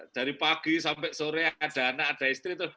dari pagi sampai sore ada anak ada istri